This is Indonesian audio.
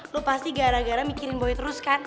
lo pasti gara gara mikirin boy terus kan